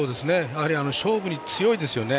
勝負に強いですよね。